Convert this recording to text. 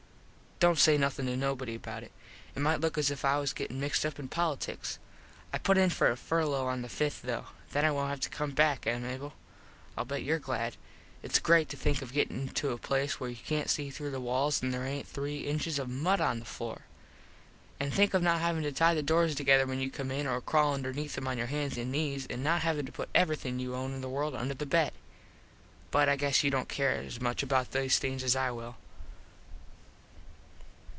Dont say nothin to nobody about it. It might look as if I was gettin mixed up in politiks. I put in for a furlo on the 5th tho. Then I wont have to come back, eh Mable? Ill bet your glad. Its great to think of gettin into a place where you cant see through the walls and there aint three inches of mud on the floor. An think of not havin to tie the doors together when you come in or crawl underneath em on your hans and nees and not havin to put everything you own in the world under the bed. But I guess you dont care as much about these things as I will.